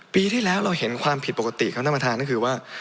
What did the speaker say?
ปีที่แล้วเราเห็นความผิดปกติครับท่านประธานก็คือว่า